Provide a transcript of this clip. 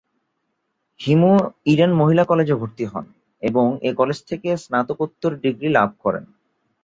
হিমু ইডেন মহিলা কলেজে ভর্তি হন এবং এ কলেজ থেকে স্নাতকোত্তর ডিগ্রী লাভ করেন।